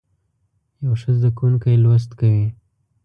یو ښه زده کوونکی لوست کوي.